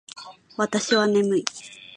私は眠い